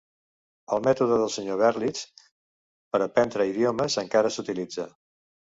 El mètode del Sr. Berlitz per aprendre idiomes encara s"utilitza.